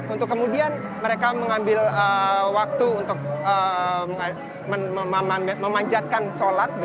untuk kemudian mereka mengambil waktu untuk memanjatkan sholat